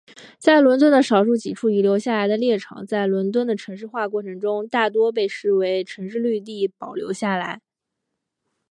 在伦敦的少数几处遗留下来的猎场在伦敦的城市化过程中大多被作为城市绿地保留下来。